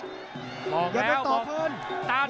โดนท่องโดนท่องมีอาการ